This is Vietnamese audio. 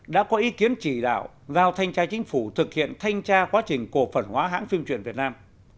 đã có ý kiến chỉ đạo giao thanh tra chính phủ thực hiện thanh tra quá trình cổ phần hóa hãng phim truyện việt nam